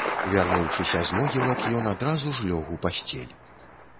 Вярнуўшыся з могілак, ён адразу ж лёг у пасцель.